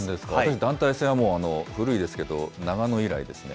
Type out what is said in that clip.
団体戦、古いですけど長野以来ですね。